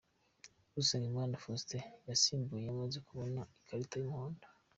Usengimana Faustin yasimbuwe yamaze kubona ikarita y’umuhondo.